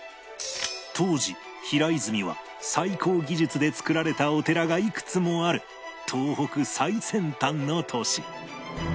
当時平泉は最高技術で造られたお寺がいくつもある東北最先端の都市